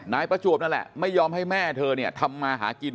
นายประจวบนั่นแหละไม่ยอมให้แม่เธอเนี่ยทำมาหากิน